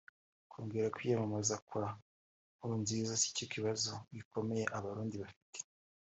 Kongera kwiyamamaza kwa Nkurunziza sicyo kibazo gikomeye Abarundi bafite